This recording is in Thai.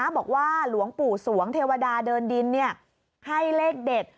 บอกว่าหลวงปู่สวงเทวดาเดินดินให้เลขเด็ด